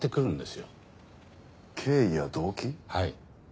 はい。